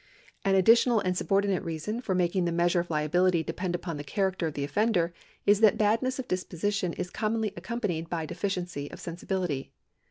An additional and subordinate reason for making the measure of liability depend upon the character of the oftender is that badness of disposition is commonly accompanied by deficiency of sensibility.